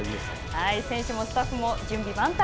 選手もスタッフも準備万端。